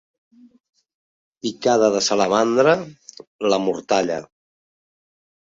Picada de salamandra, la mortalla.